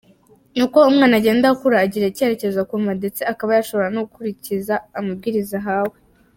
Uko umwana agenda akura, agira icyerekezo akumva ndetse akaba yashobora no gukurikiza amabwiriza ahawe.